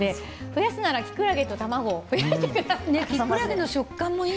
増やすなら、キクラゲと卵を増やしてください。